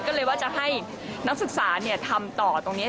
ก็เลยว่าจะให้นักศึกษาทำต่อตรงนี้